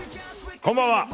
こんばんは。